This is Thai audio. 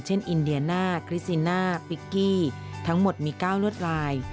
อินเดียน่าคริสติน่าปิกกี้ทั้งหมดมี๙ลวดลาย